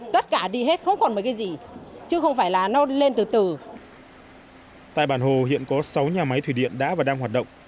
tại bản hồ hiện có sáu nhà máy thủy điện đã và đang hoạt động